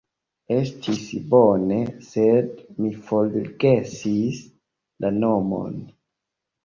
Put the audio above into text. Estis bone, sed mi forgesis la nomon